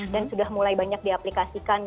dan sudah mulai banyak diaplikasikan gitu